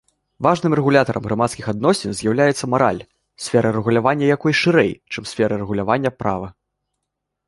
Важным рэгулятарам грамадскіх адносін з'яўляецца мараль, сфера рэгулявання якой шырэй, чым сфера рэгулявання права.